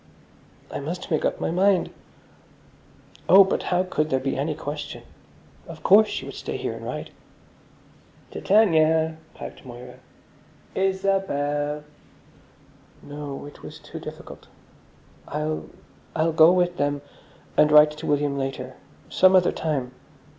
"I must make up my mind." Oh, but how could there be any question? Of course she would stay here and write. "Titania!" piped Moira. "Isa bel?" No, it was too difficult. "I'll—I'll go with them, and write to William later. Some other time.